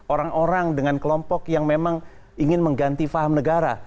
orang orang dengan kelompok yang memang ingin mengganti faham negara